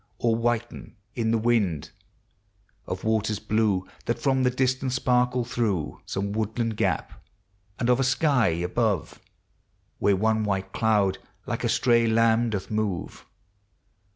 Or whiten in the wind; of waters blue Thai from the distance sparkle through Some woodland gap; and of a sky above. Where one white cloud like a stray lamb doth move.